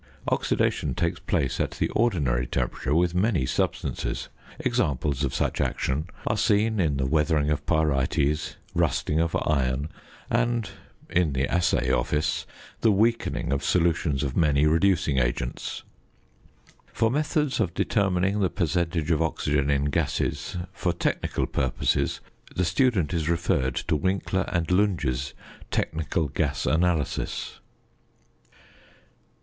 Oxidation takes place at the ordinary temperature with many substances. Examples of such action are seen in the weathering of pyrites, rusting of iron, and (in the assay office) the weakening of solutions of many reducing agents. For methods of determining the percentage of oxygen in gases, for technical purposes, the student is referred to Winkler & Lunge's "Technical Gas Analysis."